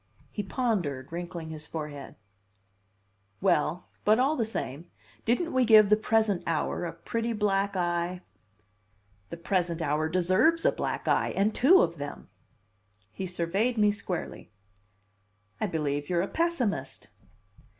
He pondered, wrinkling his forehead. "Well, but all the same, didn't we give the present hour a pretty black eye?" "The present hour deserves a black eye, and two of them!" He surveyed me squarely. "I believe you're a pessimist!"